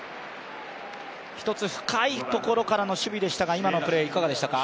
１つ深いところからの守備でしたが今のプレーいかがですか？